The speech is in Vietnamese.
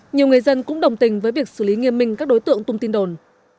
nhiều người dân cũng đồng tình với việc xử lý nghiêm minh các đối tượng tung tin đồn